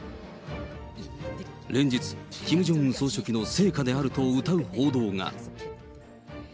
連日、キム・ジョンウン総書記の成果であるとうたう報道が。